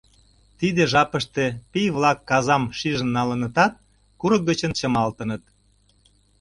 Тиде жапыште пий-влак казам шижын налынытат, курык гыч чымалтыныт.